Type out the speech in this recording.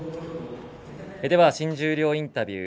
では新十両インタビュー